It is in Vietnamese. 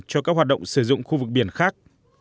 cho các hoạt động sử dụng khu vực biển khác